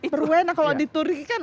perwena kalau diturunkan